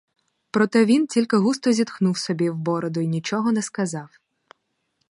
Проте він тільки густо зітхнув собі в бороду й нічого не сказав.